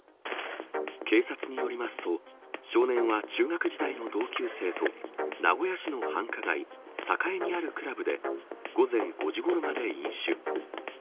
警察によりますと、少年は中学時代の同級生と、名古屋市の繁華街、栄にあるクラブで、午前５時ごろまで飲酒。